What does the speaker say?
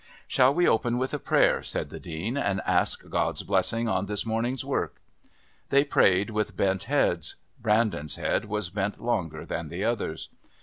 "Shall we open with a prayer," said the Dean, "and ask God's blessing on this morning's work?" They prayed with bent heads. Brandon's head was bent longer than the others.